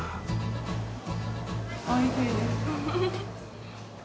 おいしいです。